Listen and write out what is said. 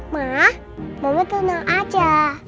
ma mama tenang aja